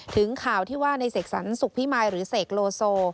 ข่าวที่ว่าในเสกสรรสุขพิมายหรือเสกโลโซ